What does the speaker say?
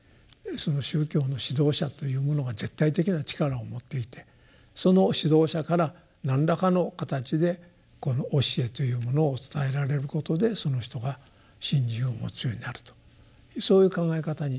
その宗教の指導者という者が絶対的な力を持っていてその指導者から何らかの形でこの教えというものを伝えられることでその人が信心を持つようになるとそういう考え方になりがちだと思うんですね。